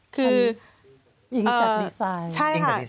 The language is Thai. คือใช่ค่ะ